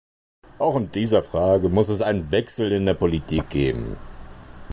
Auch in dieser Frage muss es einen Wechsel in der Politik geben.